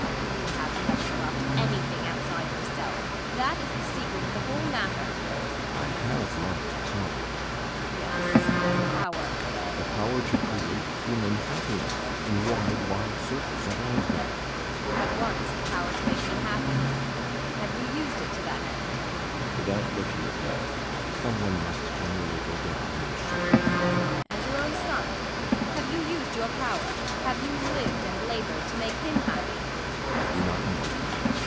] You have never loved anything outside yourself; that is the secret of the whole matter. BORKMAN. [Proudly.] I have loved power. MRS. BORKMAN. Yes, power! BORKMAN. The power to create human happiness in wide, wide circles around me! MRS. BORKMAN. You had once the power to make me happy. Have you used it to that end? BORKMAN. [Without looking at her.] Some one must generally go down in a shipwreck. MRS. BORKMAN. And your own son! Have you used your power have you lived and laboured to make him happy?